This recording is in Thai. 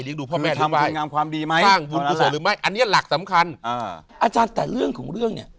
เลี้ยงดูพ่อแม่หรือไม่สร้างบุญกุศลหรือไม่อันนี้หลักสำคัญอาจารย์แต่เรื่องของเรื่องเนี่ย